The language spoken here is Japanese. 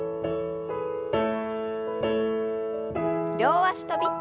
両脚跳び。